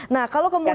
nah kalau kemudian